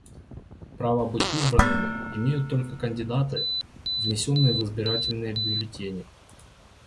Право быть избранными имеют только кандидаты, внесенные в избирательные бюллетени.